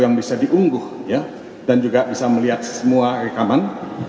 yang bisa diungguh dan juga bisa melihat semua rekaman